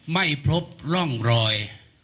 ไม่พบร่องรอย